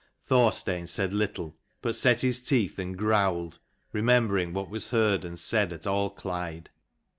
Thorstein said little, but set his teeth and growled, remembering what was heard and said at Alclyde.